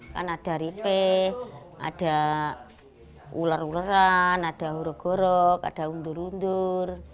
kan ada ripeh ada ular ularan ada horogorok ada undur undur